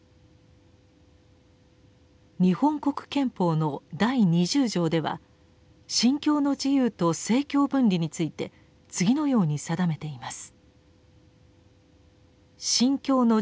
日本国憲法の第二十条では「信教の自由」と「政教分離」について次のように定めています。